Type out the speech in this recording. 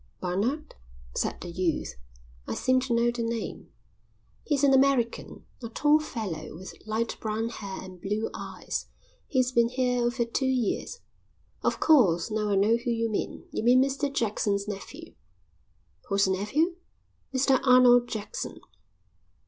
"Barnard?" said the youth. "I seem to know the name." "He's an American. A tall fellow with light brown hair and blue eyes. He's been here over two years." "Of course. Now I know who you mean. You mean Mr Jackson's nephew." "Whose nephew?" "Mr Arnold Jackson."